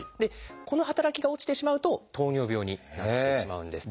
この働きが落ちてしまうと糖尿病になってしまうんです。